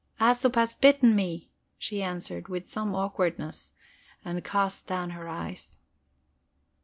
"Æsop has bitten me," she answered, with some awkwardness, and cast down her eyes.